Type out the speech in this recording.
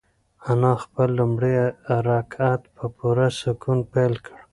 انا خپل لومړی رکعت په پوره سکون پیل کړ.